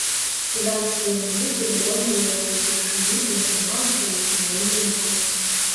Суданскія музыкі выконвалі яго ўпершыню і атрымалася ў іх не вельмі ўдала.